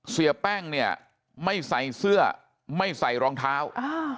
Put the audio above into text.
เสียแป้งเนี่ยไม่ใส่เสื้อไม่ใส่รองเท้า